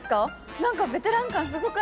何かベテラン感すごくありますけど。